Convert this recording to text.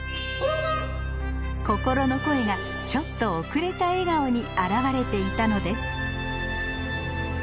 心の声がちょっと遅れた笑顔に表れていたのです